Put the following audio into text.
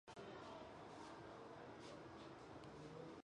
车站设有一条通往安徽储备物资管理局三五九处的专用线。